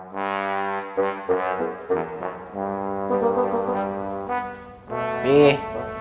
pak pak pak